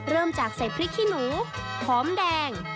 เริ่มจากใส่พริกขี้หนูหอมแดง